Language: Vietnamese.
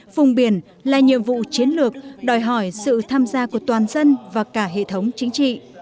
vùng biển là nhiệm vụ chiến lược đòi hỏi sự tham gia của toàn dân và cả hệ thống chính trị